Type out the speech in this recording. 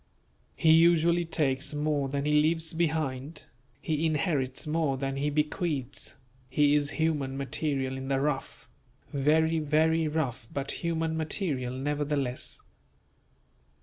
He usually takes more than he leaves behind; he inherits more than he bequeaths; he is human material in the rough; very, very rough but human material nevertheless.